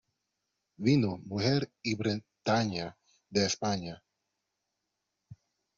vino, mujer y Bretaña , de España.